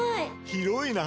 広いな！